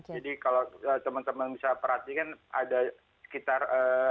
jadi kalau teman teman bisa perhatikan ada sekitar lima